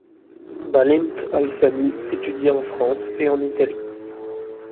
Bálint Alsáni étudie en France et en Italie.